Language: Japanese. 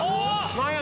何や？